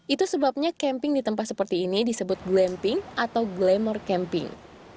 itu sebabnya camping di tempat seperti ini disebut glamping atau glamour camping